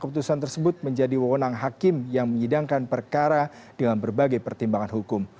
keputusan tersebut menjadi wawonang hakim yang menyidangkan perkara dengan berbagai pertimbangan hukum